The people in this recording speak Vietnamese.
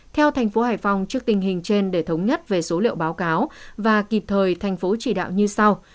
theo thành phố hải phòng trước tình hình trên để thống nhất về số liệu báo cáo và kịp thời thành phố chỉ đạo như sau